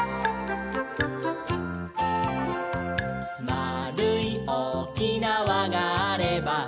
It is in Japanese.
「まあるいおおきなわがあれば」